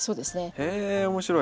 へえ面白い！